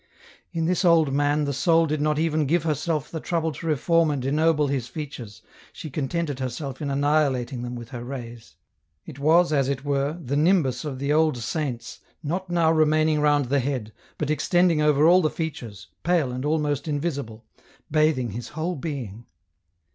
In this old man the soul did not even give herself the trouble to reform and ennoble his features, she contented herself in annihilating them with her rays ; it was, as it were, the nimbus of the old saints not now remaining round the head, but extending over all the features, pale and almost invisible, bathing his whole being.